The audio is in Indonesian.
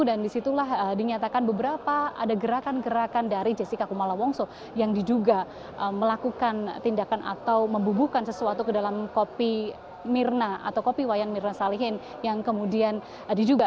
dan disitulah dinyatakan beberapa ada gerakan gerakan dari jessica kumala wongso yang diduga melakukan tindakan atau membubuhkan sesuatu ke dalam kopi mirna atau kopi wayan mirna salihin yang kemudian diduga